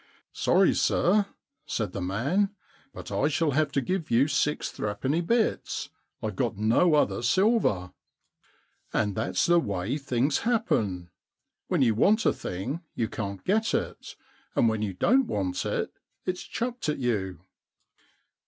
" Sorry, sir,'* said the man, but I shall have to give you six threepenny bits. I've got no other silver." * And that's the way things happen. When you want a thing you can't get it, and when you don't want it it's chucked at you.'